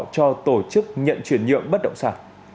cho tổ chức nhận chuyển nhượng bất ngờ